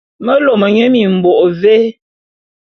Me lôme nye mimbôk vé?